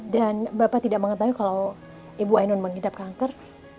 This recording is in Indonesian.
dan bapak tidak mengetahui kalau ibu ainun menghidap kanker